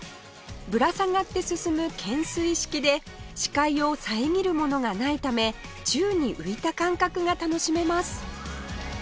ぶら下がって進む懸垂式で視界を遮るものがないため宙に浮いた感覚が楽しめます